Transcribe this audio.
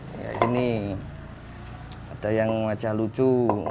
kayak gini ada yang wajah lucu